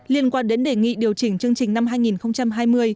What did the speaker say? liên quan đến đề nghị điều chỉnh chương trình năm hai nghìn hai mươi